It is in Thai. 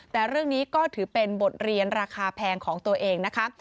แต่เรื่องนี้ก็ถือเป็นบทเรียนราคาแพงของตัวเองนะคะ